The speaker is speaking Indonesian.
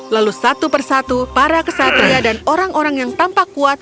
lalu satu persatu para kesatria dan orang orang yang tampak kuat